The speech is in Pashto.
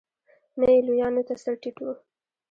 نه یې لویانو ته سر ټيټ و.